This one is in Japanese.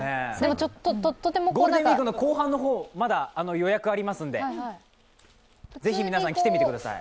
ゴールデンウイークの後半の方まだ予約ありますんでぜひ皆さん、来てみてください。